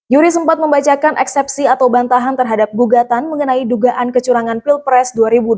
yuri sempat membacakan eksepsi atau bantahan terhadap gugatan mengenai dugaan kecurangan pilpres dua ribu dua puluh